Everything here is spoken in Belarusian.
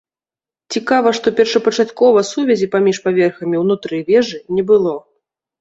Цікава, што першапачаткова сувязі паміж паверхамі ўнутры вежы не было.